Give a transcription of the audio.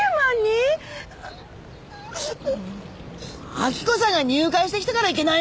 明子さんが入会してきたからいけないのよ！